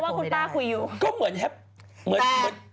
เพราะว่าคุณป้าคุยอยู่